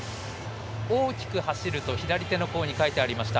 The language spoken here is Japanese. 大きく走ると左手の甲に書いてありました。